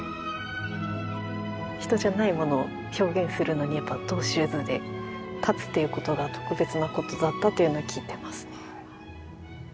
人じゃないものを表現するのにトゥ・シューズで立つということが特別なことだったというのは聞いてますね。